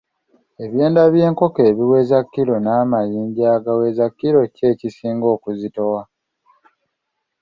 Ebyoya by'enkoko ebiweza kiro n'amayinja agaweza kiro ki ekisinga okuzitowa?